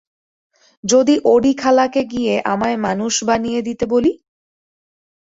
যদি ওডি খালাকে গিয়ে আমায় মানুষ বানিয়ে দিতে বলি?